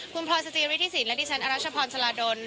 คุณพลอยสจิริธิสินและดิฉันอรัชพรชลาดล